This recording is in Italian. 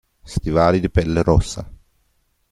Stivali di pelle rossa.